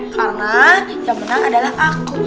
karena yang menang adalah aku